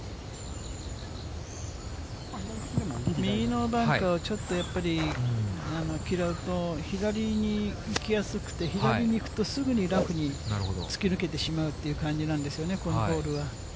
右のバンカーをちょっとやっぱり嫌うと、左に行きやすくて、左にいくと、すぐにラフに突き抜けてしまうっていう感じなんですよね、このホールは。